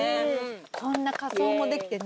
こんな仮装もできてね。